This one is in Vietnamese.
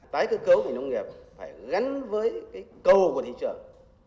tái cơ cấu về nông nghiệp phải gắn với cầu của thị trường